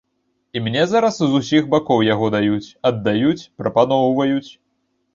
І мне зараз з усіх бакоў яго даюць, аддаюць, прапаноўваюць.